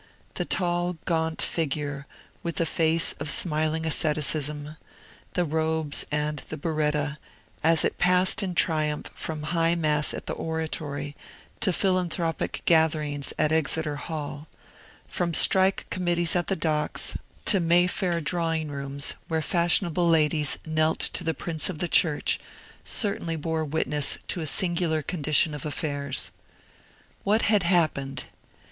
The tall gaunt figure, with the face of smiling asceticism, the robes, and the biretta, as it passed in triumph from High Mass at the Oratory to philanthropic gatherings at Exeter Hall, from Strike Committees at the Docks to Mayfair drawing rooms where fashionable ladies knelt to the Prince of the Church, certainly bore witness to a singular condition of affairs. What had happened?